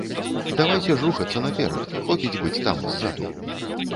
Давайце ж рухацца наперад, хопіць быць там, ззаду.